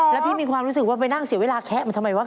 แล้วพี่มีความรู้สึกว่าไปนั่งเสียเวลาแคะมันทำไมวะ